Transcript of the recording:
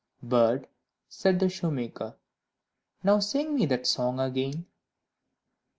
"Bird," said the shoemaker, "now sing me that song again."